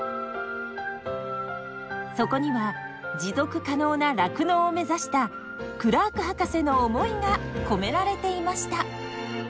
そこには持続可能な酪農を目指したクラーク博士の思いが込められていました。